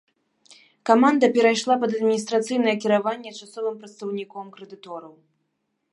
Каманда перайшла пад адміністрацыйнае кіраванне часовым прадстаўніком крэдытораў.